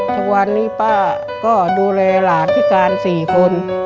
ชะวันนี้ป้าก็ดูแลหลานพี่กานสี่คน